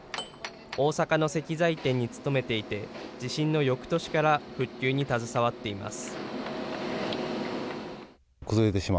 大阪の石材店に勤めていて、地震のよくとしから復旧に携わっています。